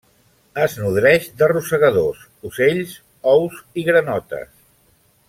Es nodreix de rosegadors, ocells, ous i granotes.